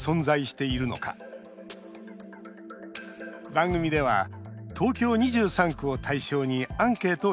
番組では東京２３区を対象にアンケートを実施。